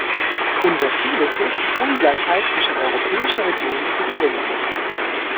Unser Ziel ist es, die Ungleichheit zwischen europäischen Regionen zu verringern.